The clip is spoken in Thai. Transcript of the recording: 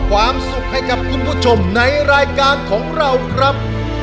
คุณครับ